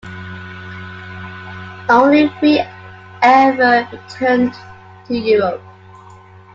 Only three ever returned to Europe.